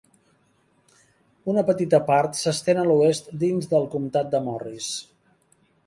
Una petita part s'estén a l'oest dins del comtat de Morris.